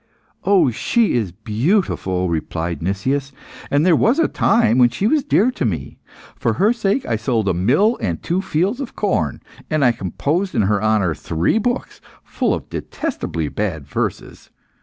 "She is beautiful," replied Nicias, "and there was a time when she was dear to me. For her sake, I sold a mill and two fields of corn, and I composed in her honour three books full of detestably bad verses.